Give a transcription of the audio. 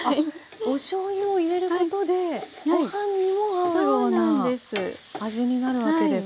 おしょうゆを入れることでご飯にも合うような味になるわけですか。